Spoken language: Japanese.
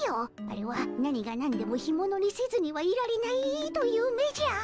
あれは何が何でもヒモノにせずにはいられないという目じゃ。